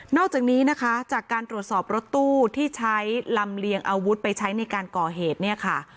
อกจากนี้นะคะจากการตรวจสอบรถตู้ที่ใช้ลำเลียงอาวุธไปใช้ในการก่อเหตุเนี่ยค่ะ